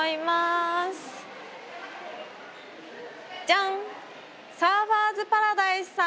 ジャン！